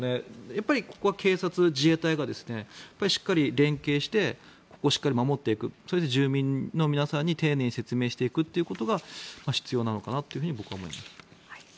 やっぱりここは警察、自衛隊がしっかり連携してここをしっかり守っていくそして、住民の皆さんに丁寧に説明していくことが必要なのかなと僕は思います。